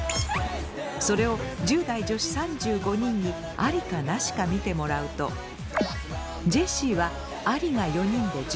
それを１０代女子３５人にアリかナシか見てもらうとジェシーはアリが４人で１１％。